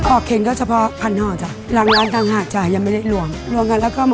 ออกแขงก็เฉพาะ๑๐๐๐ห่อลางร้านทางหาดไม่ได้ล้วน